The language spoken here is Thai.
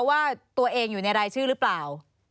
ว่าตัวเองอยู่ในรายชื่อหรือเปล่า